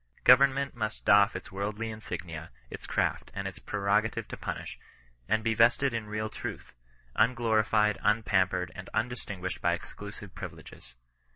Govern ment must doff its worldly insignia, its craft, and its prerogative to punish, and be vested in real worth — un glorified, unpampered, and undistinguished by exclusive privileges.